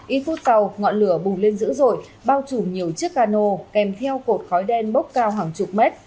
ít phút tàu ngọn lửa bùng lên dữ dội bao trùm nhiều chiếc cano kèm theo cột khói đen bốc cao hàng chục mét